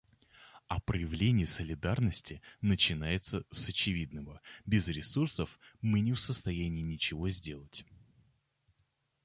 А проявление солидарности начинается с очевидного: без ресурсов мы не в состоянии ничего сделать.